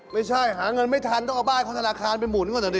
ไม่ใช่หาเงินไม่ทันต้องเอาบ้านของธนาคารไปหมุนก่อนตอนนี้